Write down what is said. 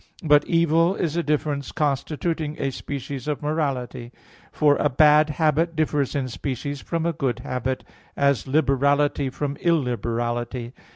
But evil is a difference constituting a species of morality; for a bad habit differs in species from a good habit, as liberality from illiberality.